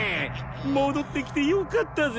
もどってきてよかったぜ。